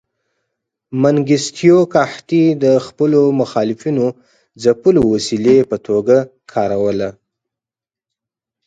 منګیستیو قحطي د خپلو مخالفینو ځپلو وسیلې په توګه کاروله.